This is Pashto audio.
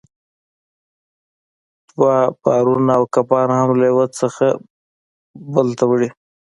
دوی بارونه او کبان هم له یو ځای څخه بل ته وړي